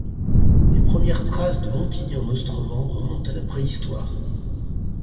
Les premières traces de Montigny-en-Ostrevent remontent à la préhistoire.